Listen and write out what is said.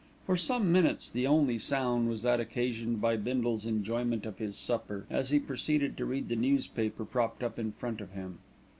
For some minutes the only sound was that occasioned by Bindle's enjoyment of his supper, as he proceeded to read the newspaper propped up in front of him.